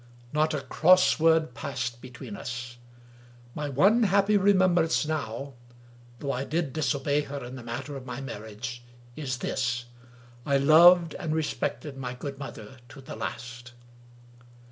Not a cross word passed between us. My one happy remem brance now — ^though I did disobey her in the matter of my marriage — is this: I loved and respected my good mother to the last.